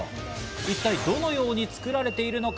一体どのように作られているのか？